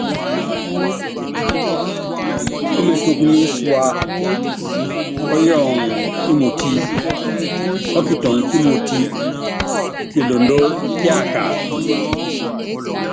E metúkú mínsúá, ɔ́yɔɔŋɔ ímotí, ɔ́kitɔŋɔ kímotí, kilundɔ́ kíákaaka.